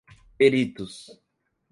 peritos